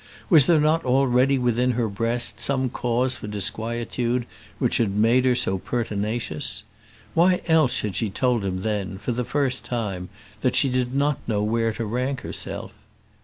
Was there not already within her breast some cause for disquietude which had made her so pertinacious? Why else had she told him then, for the first time, that she did not know where to rank herself?